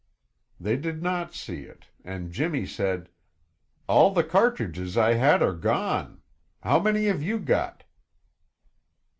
They did not see it and Jimmy said, "All the cartridges I had are gone. How many have you got?"